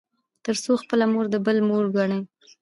تـر څـو خـپله مـور د بل مور وګـني.